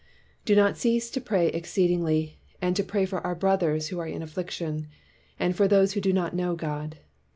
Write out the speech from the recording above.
"Do not cease to pray exceedingly, and to pray for our brothers who are in afflic tion, and for those who do not know God.